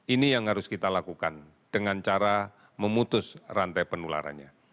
ini yang harus kita lakukan dengan cara memutus rantai penularannya